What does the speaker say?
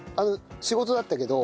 仕事だったけど。